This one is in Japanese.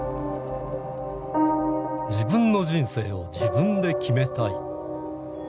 自分の人生を自分で決めたい。